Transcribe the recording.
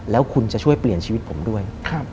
แล้วคุณจะช่วยเปลี่ยนชีวิตผมด้วย